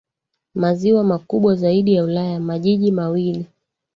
maziwa makubwa zaidi ya Ulaya Majiji mawili